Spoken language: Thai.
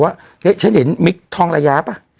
ว่าเฮ้ยฉันเห็นมิคทองลายาปะ